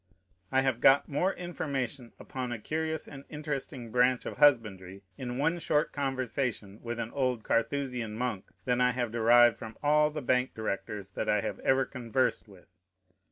I have got more information upon a curious and interesting branch of husbandry, in one short conversation with an old Carthusian monk, than I have derived from all the bank directors that I have ever conversed with.